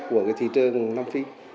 của cái thị trường nam phi